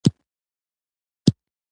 اړ سترګي نلری .